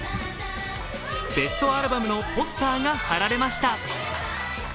ベストアルバムのポスターが貼られました。